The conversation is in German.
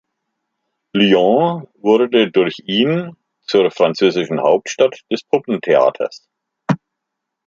Lyon wurde durch ihn zur französischen Hauptstadt des Puppentheaters.